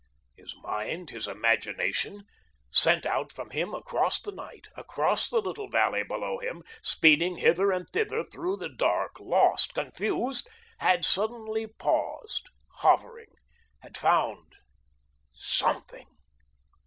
His mind, his imagination, sent out from him across the night, across the little valley below him, speeding hither and thither through the dark, lost, confused, had suddenly paused, hovering, had found Something.